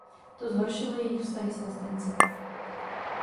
To zhoršilo jeho vztahy s vlastenci.